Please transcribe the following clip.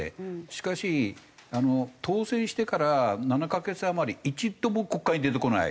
しかし当選してから７カ月余り一度も国会に出てこない。